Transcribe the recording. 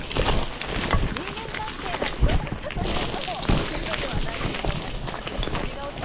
人間関係が広がったという人も多いのではないでしょうか？